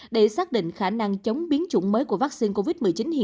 để xác định khả năng chống biến chủng mới của vắc xin covid một mươi chín